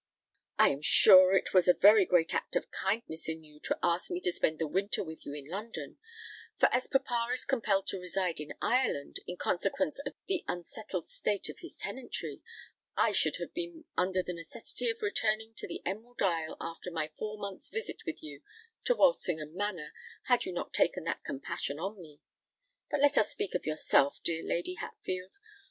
"I am sure it was a very great act of kindness in you to ask me to spend the winter with you in London; for as papa is compelled to reside in Ireland, in consequence of the unsettled state of his tenantry, I should have been under the necessity of returning to the Emerald Isle, after my four months' visit with you to Walsingham Manor, had you not taken that compassion on me. But let us speak of yourself, dear Lady Hatfield.